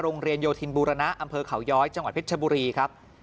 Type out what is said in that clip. โยธินบูรณะอำเภอเขาย้อยจังหวัดเพชรชบุรีครับ